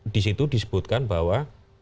di situ disebutkan bahwa